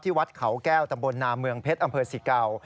ที่วัดเขาแก้วตำบลนามเมืองเพชรอำเภษสี่เกา